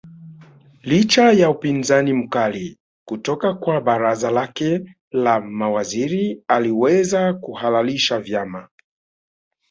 Licha ya upinzani mkali kutoka kwa baraza lake la mawaziri aliweza kuhalalisha vyama